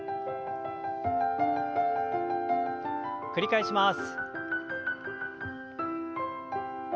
繰り返します。